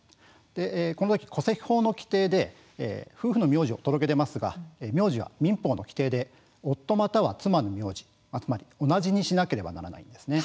このとき戸籍法の規定で夫婦の名字を届け出ますが名字は民法の規定で夫または妻の名字、つまり同じにしなければならないんです。